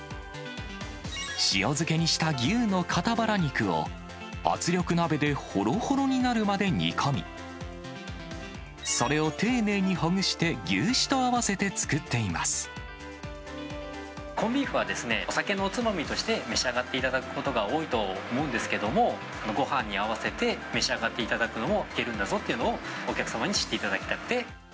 塩漬けにした牛の肩バラ肉を、圧力鍋でほろほろになるまで煮込み、それを丁寧にほぐして、コンビーフは、お酒のおつまみとして召し上がっていただくことが多いと思うんですけれども、ごはんに合わせて召し上がっていただくっていうのもいけるんだぞということをお客様に知っていただきたくて。